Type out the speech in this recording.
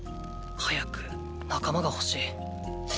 早く仲間がほしい！